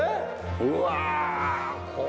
うわ！